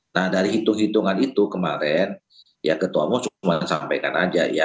nah dari hitung hitungan itu kemarin ya ketua umum cuma sampaikan aja ya